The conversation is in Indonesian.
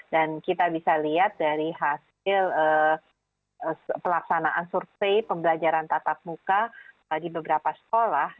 dan kita bisa lihat dari hasil pelaksanaan survei pembelajaran tatap muka di beberapa sekolah